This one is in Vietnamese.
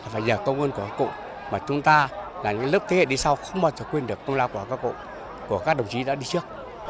phải nhờ công ơn của các cụ mà chúng ta là những lớp thế hệ đi sau không bao giờ quên được công lao của các cụ của các đồng chí đã đi trước